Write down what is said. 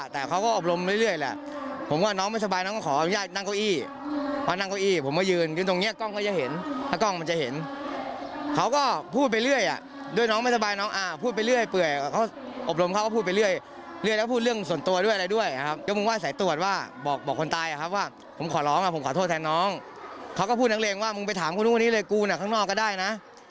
ถามคุณผู้นี้เลยกูน่ะข้างนอกก็ได้นะ